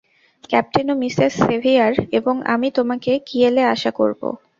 Captain ও Mrs Sevier এবং আমি তোমাকে কিয়েল-এ আশা করব।